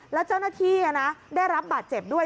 แล้วเจ้าหน้าที่ได้รับบาดเจ็บด้วย